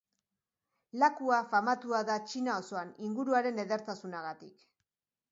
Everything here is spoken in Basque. Lakua famatua da Txina osoan, inguruaren edertasunagatik.